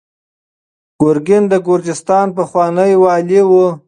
ګورګین د ګرجستان پخوانی والي و.